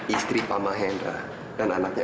istri pak mahendra dan anaknya